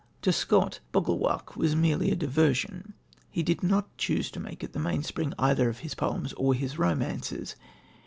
To Scott "bogle wark" was merely a diversion. He did not choose to make it the mainspring either of his poems or his romances.